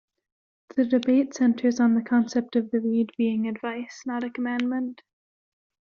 The debate centres on the concept of the Rede being advice, not a commandment.